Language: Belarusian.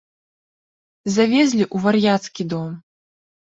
Завезлі ў вар'яцкі дом.